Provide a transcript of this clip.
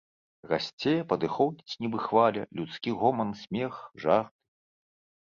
Расце, падыходзіць, нібы хваля, людскі гоман смех, жарты.